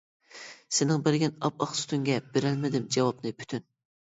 سېنىڭ بەرگەن ئاپئاق سۈتۈڭگە، بېرەلمىدىم جاۋابنى پۈتۈن.